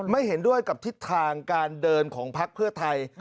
เห็นด้วยกับทิศทางการเดินของพักเพื่อไทย